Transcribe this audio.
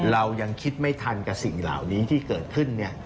เรายังคิดไม่ทันกับสิ่งเหล่านี้ที่เกิดขึ้น